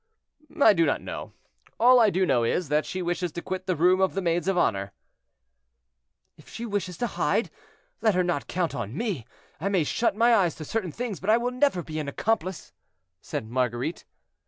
"I do not know; all I do know is, that she wishes to quit the room of the maids of honor." "If she wishes to hide, let her not count on me. I may shut my eyes to certain things, but I will never be an accomplice," said Marguerite.